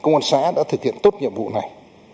công an xã đã thực hiện tốt nhiệm vụ này